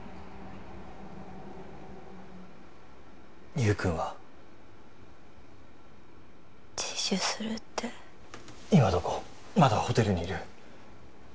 優くんは自首するって今どこまだホテルにいる？